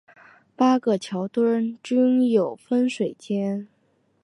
八个桥墩均有分水尖。